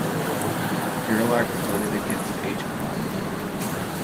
Gerlach voted against H. Con.